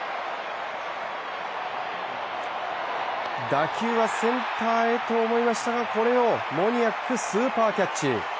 打球はセンターへと思いましたがこれをモニアックスーパーキャッチ。